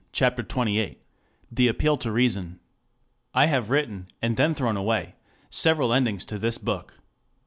CHAPTER XXVIII THE APPEAL TO REASON 1 I HAVE written, and then thrown away, several endings to this book.